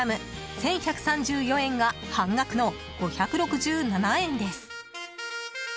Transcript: １１３４円が半額の５６７円です。